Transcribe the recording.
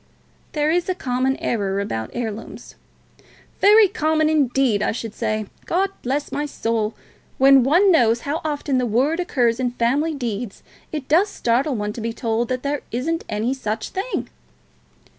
"There is a common error about heirlooms." "Very common, indeed, I should say. God bless my soul! when one knows how often the word occurs in family deeds, it does startle one to be told that there isn't any such thing."